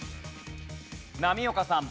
波岡さん。